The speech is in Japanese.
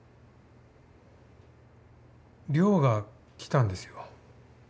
亮が来たんですよ